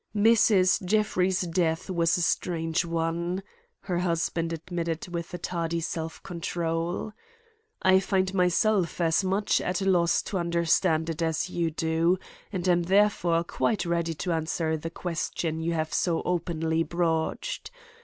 "Mrs. Jeffrey's death was a strange one," her husband admitted with tardy self control. "I find myself as much at a loss to understand it as you do, and am therefore quite ready to answer the question you have so openly broached.